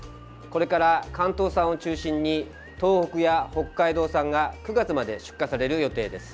これから関東産を中心に東北や北海道産が９月まで出荷される予定です。